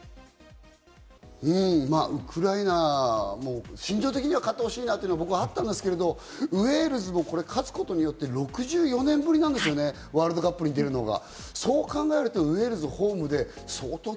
ウクライナも心情的には勝ってほしいなってのいうのは僕はあったんですけれど、ウェールズも勝つことによって６４年ぶりなんですよね、ワールドカップに出るのが。